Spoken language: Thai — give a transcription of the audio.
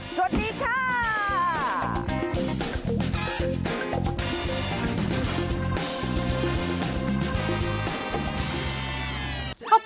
สวัสดีค่ะ